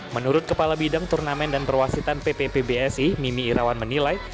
menurut kepala bidang turnamen dan perwasitan ppp bsi mimi irawan menilai